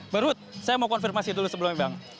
bang ruhut saya mau konfirmasi dulu sebelumnya bang